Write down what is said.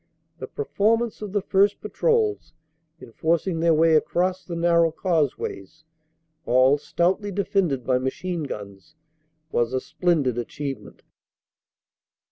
The performance of the first patrols in forcing their way across the narrow causeways, all stoutly defended by machine guns, was a splendid achievement.